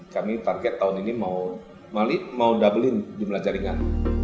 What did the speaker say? kami target tahun ini mau mali mau doubling jumlah jaringan